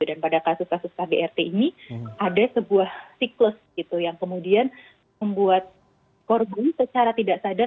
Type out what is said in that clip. dan pada kasus kasus kdrt ini ada sebuah siklus yang kemudian membuat korban secara tidak sadar